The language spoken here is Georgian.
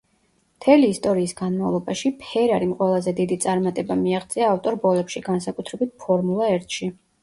მთელი ისტორიის განმავლობაში, ფერარიმ ყველაზე დიდი წარმატება მიაღწია ავტო რბოლებში, განსაკუთრებით ფორმულა ერთში.